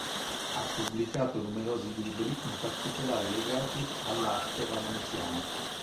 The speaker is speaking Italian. Ha pubblicato numerosi libri, in particolare legati all'arte valenciana.